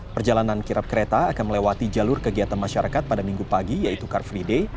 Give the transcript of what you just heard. perjalanan kirap kereta akan melewati jalur kegiatan masyarakat pada minggu pagi yaitu car free day